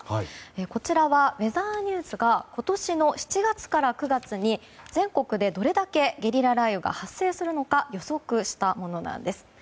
こちらはウェザーニュースが今年の７月から９月に全国でどれだけゲリラ雷雨が発生するのか予測したものなんです。